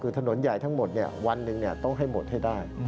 คือถนนใหญ่ทั้งหมดวันหนึ่งต้องให้หมดให้ได้